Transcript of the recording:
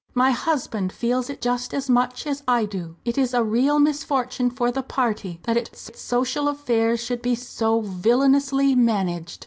"My husband feels it just as much as I do. It is a real misfortune for the party that its social affairs should be so villainously managed.